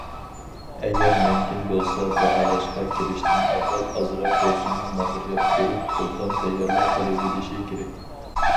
ئەگەر مۇمكىن بولسا، باھالاشقا كىرىشتىن ئاۋۋال ئازراق بولسىمۇ ماتېرىيال كۆرۈپ، ئوبدان تەييارلىق قىلىۋېلىشى كېرەك.